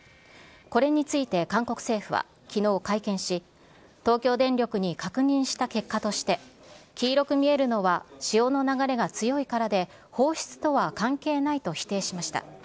これについて韓国政府はきのう会見し、東京電力に確認した結果として、黄色く見えるのは潮の流れが強いからで、放出とは関係ないと否定しました。